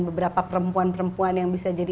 beberapa perempuan perempuan yang bisa jadi